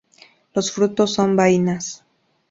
Los frutos son vainas.